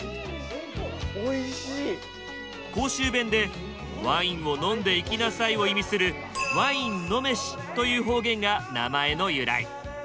甲州弁で「ワインを飲んでいきなさい」を意味する「ワイン飲めし」という方言が名前の由来。